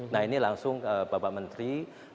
nah ini langsung bapak menteri